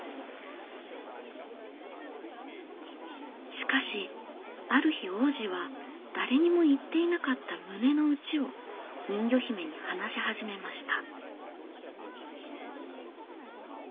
しかしある日王子は誰にも言っていなかった胸の内を人魚姫に話し始めました。